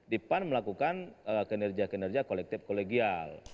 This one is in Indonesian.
di pan melakukan kinerja kinerja kolektif kolegial